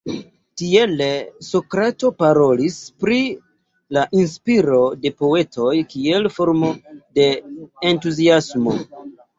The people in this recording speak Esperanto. Tiele Sokrato parolis pri la inspiro de poetoj kiel formo de Entuziasmo.